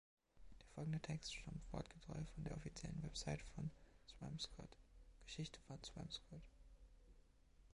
Der folgende Text stammt wortgetreu von der offiziellen Webseite von Swampscott: Geschichte von Swampscott.